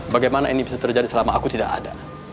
bagaimana ini bisa terjadi selama aku tidak ada